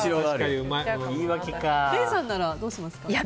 礼さんなら、どうしますか？